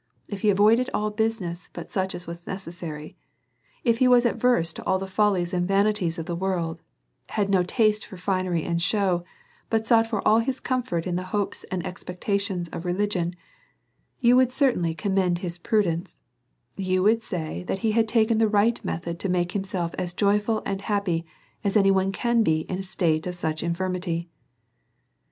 If he avoided all business but such as was necessary ; if he was averse to all the follies and vanities of the world, had no taste for finery and show, but sought for all his comfort in the hopes and expectations of religion ; you would certainly commend his prudence, you would say that he had taken the right method to make him self joyful and happy as any one can be in a state of such infirmity.